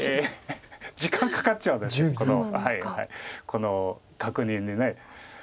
この確認に。